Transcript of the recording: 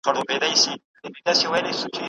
افغان لیکوالان بهر ته د سفر ازادي نه لري.